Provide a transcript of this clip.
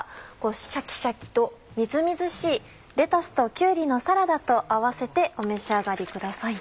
シャキシャキとみずみずしいレタスときゅうりのサラダと併せてお召し上がりください。